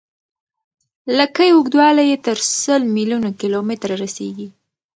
لکۍ اوږدوالی یې تر سل میلیون کیلومتره رسیږي.